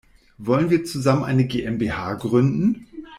Wollen wir zusammen eine GmbH gründen?